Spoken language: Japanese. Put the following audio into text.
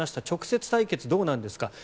直接対決どうなんですか。